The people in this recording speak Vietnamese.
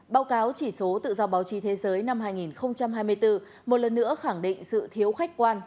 báo cáo chỉ số tự do báo chí thế giới năm hai nghìn hai mươi bốn một lần nữa khẳng định sự thiếu khách quan